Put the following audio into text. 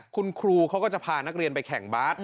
คุณครูเขาก็จะพานักเรียนไปแข่งบาส